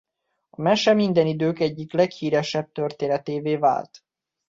A mese minden idők egyik leghíresebb történetévé vált.